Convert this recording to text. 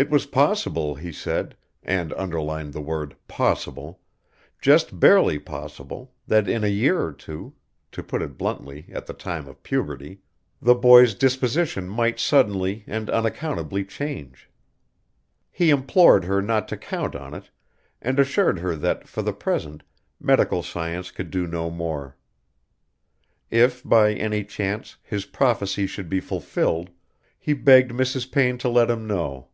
It was possible, he said and underlined the word possible, just barely possible, that in a year or two to put it bluntly, at the time of puberty the boy's disposition might suddenly and unaccountably change. He implored her not to count on it, and assured her that, for the present, medical science could do no more. If, by any chance, his prophecy should be fulfilled, he begged Mrs. Payne to let him know.